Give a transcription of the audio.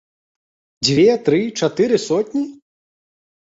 Дзве, тры, чатыры сотні?